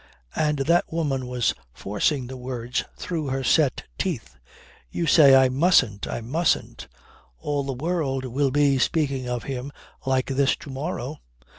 And that woman was forcing the words through her set teeth: "You say I mustn't, I mustn't. All the world will be speaking of him like this to morrow.